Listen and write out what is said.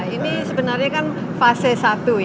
ini sebenarnya kan fase satu ya